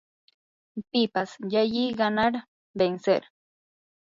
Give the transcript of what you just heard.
pipas llalliy ganar, vencer